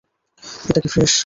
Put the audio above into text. এটা কি ফ্রেশ?